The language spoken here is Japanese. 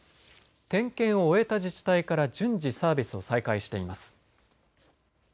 点検を終えた自治体から順次、サービスを再開しています。